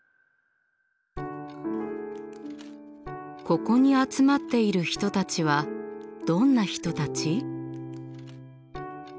ここに集まっている人たちはどんな人たち？